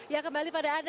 yang kembali pada anda